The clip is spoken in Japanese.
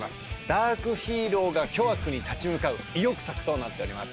ダークヒーローが巨悪に立ち向かう意欲作となっております。